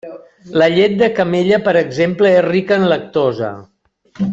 La llet de camella, per exemple, és rica en lactosa.